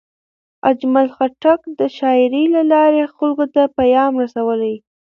اجمل خټک د شاعرۍ له لارې خلکو ته پیام رسولی.